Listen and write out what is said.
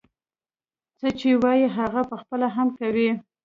څه چې وايي هغه پخپله هم کوي.